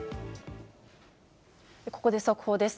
ここで速報です。